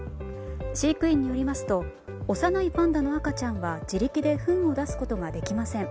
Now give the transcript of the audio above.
飼育員によりますと幼いパンダの赤ちゃんは自力でふんを出すことができません。